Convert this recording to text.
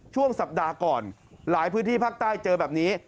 ช่วงสัปดาห์ก่อนหลายพื้นที่ภาคใต้เจอแบบนี้